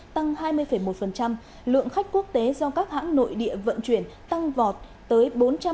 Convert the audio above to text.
tăng hai mươi một lượng khách quốc tế do các hãng nội địa vận chuyển tăng vọt tới bốn trăm hai mươi bốn hai